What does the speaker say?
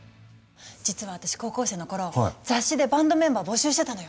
実は私高校生の頃雑誌でバンドメンバー募集してたのよ。